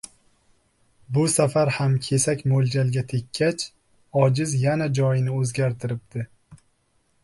— Bu safar ham kesak mo‘ljalga tekkach, ojiz yana joyini o‘zgartiribdi.